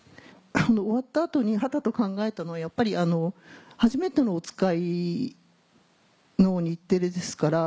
終わった後にはたと考えたのは『はじめてのおつかい』の日テレですから